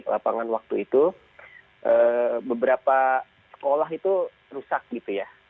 lapangan waktu itu beberapa sekolah itu rusak gitu ya